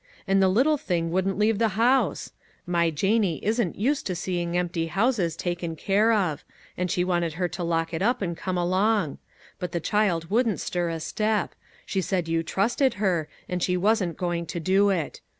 And the little thing wouldn't leave the house ! My Janie isn't used to seeing empty houses taken care of, and she wanted her to lock it up and come along; but the child wouldn't stir a step ; she said you trusted her, and she wasn't going to do it.